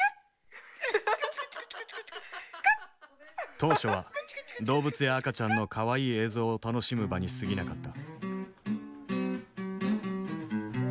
当初は動物や赤ちゃんのかわいい映像を楽しむ場にすぎなかった。